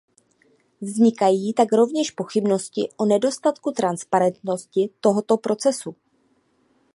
Vznikají tak rovněž pochybnosti o nedostatku transparentnosti tohoto procesu.